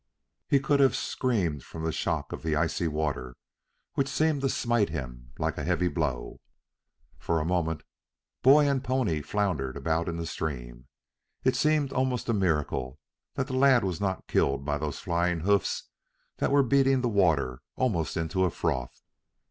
He could have screamed from the shock of the icy water, which seemed to smite him like a heavy blow. For a moment boy and pony floundered about in the stream. It seemed almost a miracle that the lad was not killed by those flying hoofs that were beating the water almost into a froth.